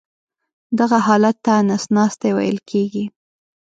دغه حالت ته نس ناستی ویل کېږي.